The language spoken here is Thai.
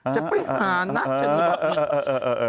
จะไปหานะฉันก็บอกเหมือน